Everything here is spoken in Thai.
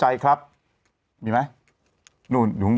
เห็นไหม